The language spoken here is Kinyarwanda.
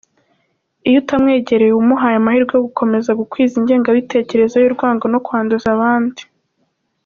Iyo utamwegereye uba umuhaye amahirwe yo gukomeza gukwiza ingengabitekerezo y’urwango no kwanduza abandi.